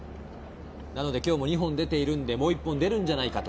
今日も２本出ているので今日も、もう１本、出るんじゃないかと。